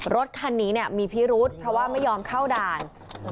รถคันนี้มีพิรุษเพราะว่าไม่ยอมเข้าด่าน